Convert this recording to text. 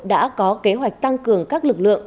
đã có kế hoạch tăng cường các lực lượng